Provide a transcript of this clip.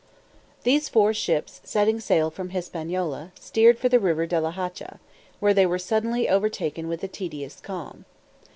_ THESE four ships setting sail from Hispaniola, steered for the river De la Hacha, where they were suddenly overtaken with a tedious calm.